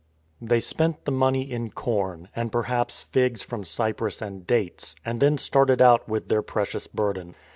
They spent the money in corn, and perhaps figs from Cyprus and dates, and then started out with their precious burden.